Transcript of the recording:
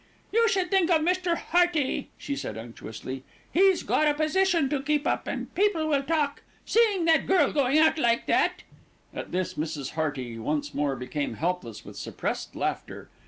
"You should think of Mr. Hearty," she said unctuously; "he's got a position to keep up, and people will talk, seeing that girl going out like that." At this, Mrs. Hearty once more became helpless with suppressed laughter.